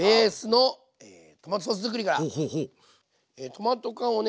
トマト缶をね